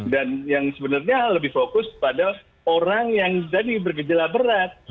dan yang sebenarnya lebih fokus pada orang yang jadi bergejala berat